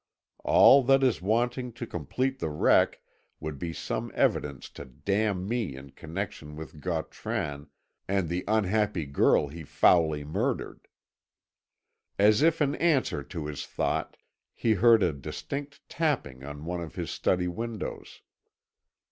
All that is wanting to complete the wreck would be some evidence to damn me in connection with Gautran and the unhappy girl he foully murdered." As if in answer to his thought, he heard a distinct tapping on one of his study windows.